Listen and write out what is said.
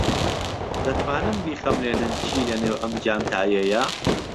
دەتوانن بیخەملێنن چی لەنێو ئەم جانتایەیە؟